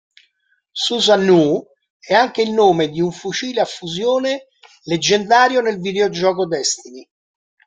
Susanoo è anche il nome di un fucile a fusione leggendario nel videogioco "Destiny".